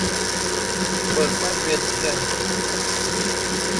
เบิกแว่นเวียนเทียน